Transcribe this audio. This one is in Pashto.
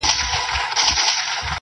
څوک وايي نر دی څوک وايي ښځه!